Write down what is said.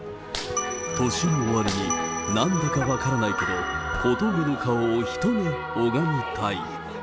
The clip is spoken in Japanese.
年の終わりになんだか分からないけど、小峠の顔を一目拝みたい。